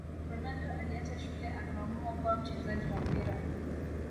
Ronaldo aliacha shule akaamua kuwa mchezaji wa mpira